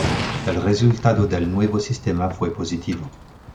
El resultado del nuevo sistema fue positivo.